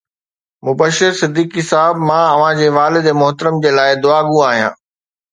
مبشر صديقي صاحب، مان اوهان جي والد محترم جي لاءِ دعاگو آهيان